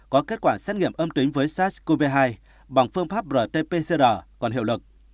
có kết quả xét nghiệm âm tính với sars cov hai bằng phương pháp rt pcr còn hiệu lực